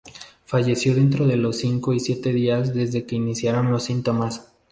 Falleció dentro de los cinco y siete días desde que iniciaron los síntomas.